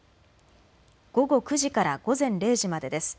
午後９時から午前０時までです。